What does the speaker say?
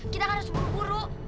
kita harus buru buru